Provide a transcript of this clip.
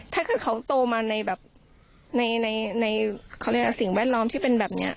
ถ้าเขาโตมาในสิ่งแวดล้อมที่เป็นแบบนี้